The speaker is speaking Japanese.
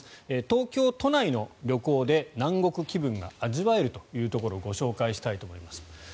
東京都内の旅行で南国気分が味わえるというところをご紹介したいと思います。